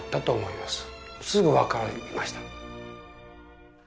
すぐ分かりました。